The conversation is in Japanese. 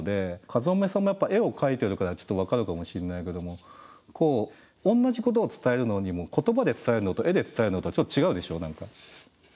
かずまめさんもやっぱ絵を描いてるからちょっと分かるかもしんないけども同じことを伝えるのにも言葉で伝えるのと絵で伝えるのとはちょっと違うでしょう何か。